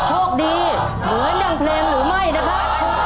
โชคดีเหมือน๑เพลงหรือไม่นะครับ